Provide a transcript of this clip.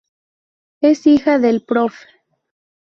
Es hija del Prof.